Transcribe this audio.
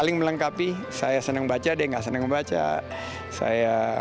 ya ini kita syukuri sebagai karunia dari allah subhanahu wa ta'ala